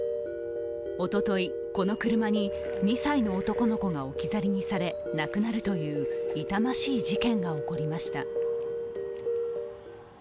おととい、この車に２歳の男の子が置き去りにされ亡くなるという痛ましい事件が起こりました。